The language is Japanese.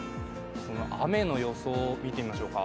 雨の予想を見てみましょうか。